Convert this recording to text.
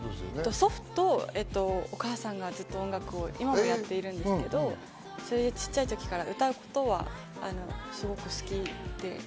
祖父とお母さんが今も音楽をやっているんですけど、小っちゃい時から歌うことはすごく好きで。